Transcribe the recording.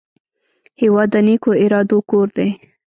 هېواد د نیکو ارادو کور دی.